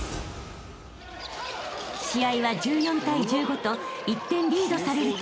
［試合は１４対１５と１点リードされる展開に］